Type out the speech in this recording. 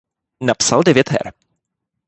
Napsal devět her.